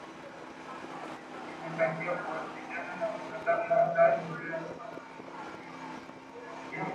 inatakiwa kuwasiliana na wataalam wa tanzu ya kituo kikuu cha redio